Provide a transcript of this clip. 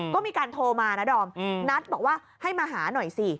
ก็มีการโทรมานะดอมนัดบอกว่าให้มาหาหน่อยสิ